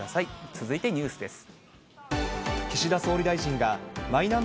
続いてニュースです。